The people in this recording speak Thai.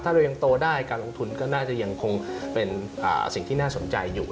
ถ้าเรายังโตได้การลงทุนก็น่าจะยังคงเป็นสิ่งที่น่าสนใจอยู่